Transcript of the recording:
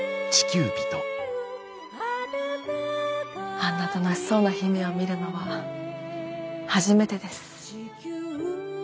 あんな楽しそうな姫を見るのは初めてです。